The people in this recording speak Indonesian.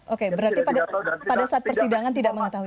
oke berarti pada saat persidangan tidak mengetahui